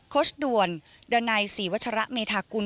โคชด่วนเดอร์ไนซ์ศรีวชะระเมธากุล